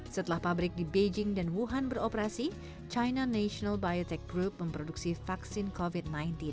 setelah pabrik di beijing dan wuhan beroperasi china national biotech group memproduksi vaksin covid sembilan belas